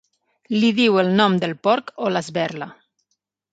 Li diu el nom del porc o l'esberla.